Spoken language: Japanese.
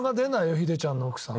ヒデちゃんの奥さん。